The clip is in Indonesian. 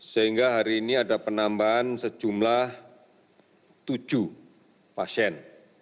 sehingga hari ini ada penambahan sejumlah tujuh pasien